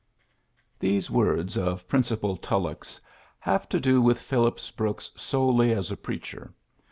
V. These words of Principal Tullocli's have to do with Phillips Brooks solely as a preacher.